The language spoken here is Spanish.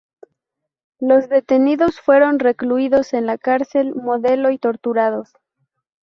Los detenidos fueron recluidos en la Cárcel Modelo y torturados.